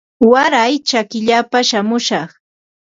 Waray chakillapa shamushaq